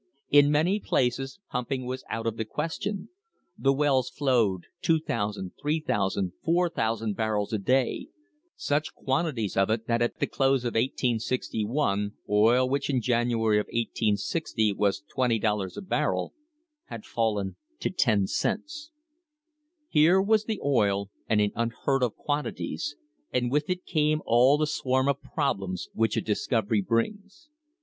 In many places pump ing was out of the question; the wells flowed 2,000, 3,000, 4,000 barrels a day — such quantities of it that at the close of 1 86 1 oil which in January of i860 was twenty dollars a barrel had fallen to ten cents. Here was the oil, and in unheard of quantities, and with it came all the swarm of problems which a discovery brings.